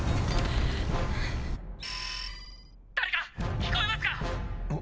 「誰か聞こえますか⁉」あ！